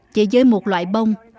chỉ với một loại bông